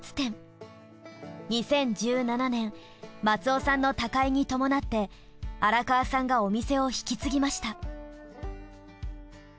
２０１７年松雄さんの他界に伴って荒川さんがお店を引き継ぎました。